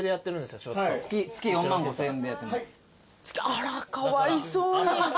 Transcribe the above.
あらかわいそうに。